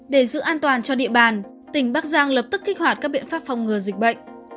để giữ an toàn cho địa bàn tỉnh bắc giang lập tức kích hoạt các biện pháp phòng ngừa dịch bệnh